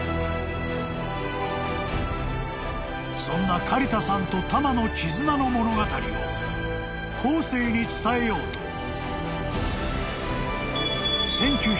［そんな刈田さんとタマの絆の物語を後世に伝えようと］